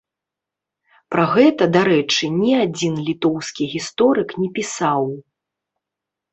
Пра гэта, дарэчы, ні адзін літоўскі гісторык не пісаў.